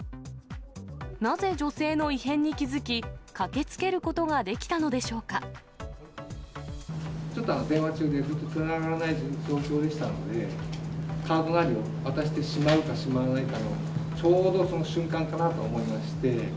なぜ女性の異変に気付き、駆けつちょっと、電話中で、ずっとつながらない状況でしたので、カードなりを渡してしまうかしまわないかの、ちょうどその瞬間かなと思いまして。